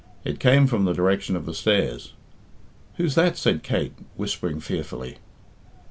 It came from the direction of the stairs. "Who's that?" said Kate, whispering fearfully.